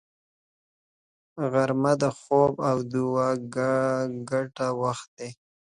غرمه د خوب او دعا ګډ وخت دی